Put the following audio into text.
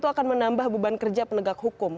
itu akan menambah beban kerja penegak hukum